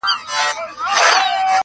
د حرم د ښایستو پر زړه پرهار وو-